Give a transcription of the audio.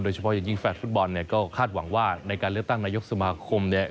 เฉพาะอย่างยิ่งแฟนฟุตบอลเนี่ยก็คาดหวังว่าในการเลือกตั้งนายกสมาคมเนี่ย